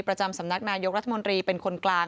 ประจำสำนักนายกรัฐมนตรีเป็นคนกลาง